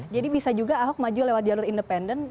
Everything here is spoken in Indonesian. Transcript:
jadi bisa juga ahok maju lewat jalur independen